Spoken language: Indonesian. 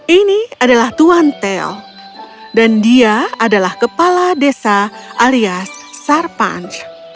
ini adalah tuan tel dan dia adalah kepala desa alias sarpanch